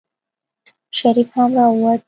شريف هم راووت.